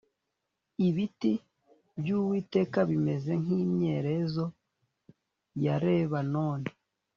Ibiti byuwiteka bimeze nkimyerezo ya reba none